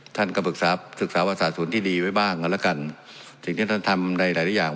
ท่านก็ศึกษาศึกษาวัติศาสตร์ศูนย์ที่ดีไว้บ้างกันละกันสิ่งที่ท่านทำในหลายหลายอย่าง